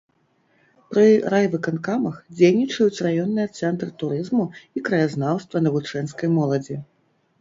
Пры райвыканкамах дзейнічаюць раённыя цэнтры турызму і краязнаўства навучэнскай моладзі.